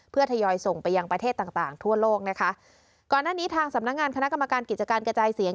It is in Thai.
เพื่อทยอยส่งไปยังประเทศต่างต่างทั่วโลกนะคะก่อนหน้านี้ทางสำนักงานคณะกรรมการกิจการกระจายเสียง